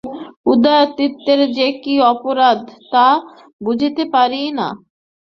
উদয়াদিত্যের যে কী অপরাধ তাহা বুঝিতে পারি না।